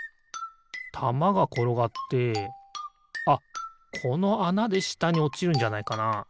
たまがころがってあっこのあなでしたにおちるんじゃないかな？